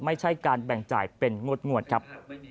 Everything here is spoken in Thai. ไม่ใช่การแบ่งจ่ายเป็นงวดครับ